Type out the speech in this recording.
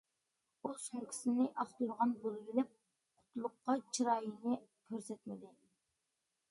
ئۇ سومكىسىنى ئاختۇرغان بولۇۋېلىپ قۇتلۇققا چىرايىنى كۆرسەتمىدى.